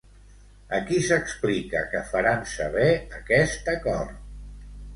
A qui s'explica que faran saber aquest acord?